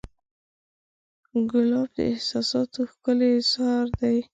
ګلاب د احساساتو ښکلی اظهار دی.